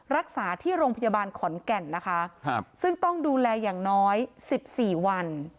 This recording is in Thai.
รักษาที่โรงพยาบาลขอนแก่นนะคะซึ่งต้องดูแลอย่างน้อย๑๔วัน